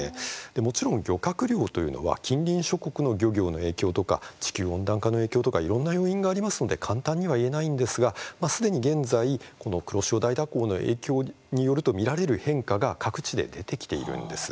もちろん、漁獲量というのは近隣諸国の漁業の影響とか地球温暖化の影響とかいろんな要因がありますので簡単には言えないんですがすでに現在、この黒潮大蛇行の影響によると見られる変化が各地で出てきているんです。